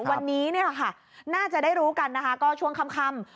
วันนี้น่าจะได้รู้กันนะคะก็ช่วงค่ำ